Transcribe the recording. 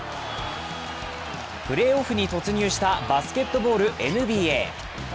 プレーオフに突入したバスケットボールＮＢＡ。